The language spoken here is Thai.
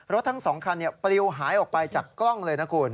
ทั้ง๒คันปลิวหายออกไปจากกล้องเลยนะคุณ